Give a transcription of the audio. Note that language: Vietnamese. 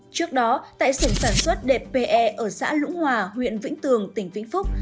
trước đó tại xưởng sản xuất đệp pe ở xã lũng hòa huyện vĩnh tường tỉnh vĩnh phúc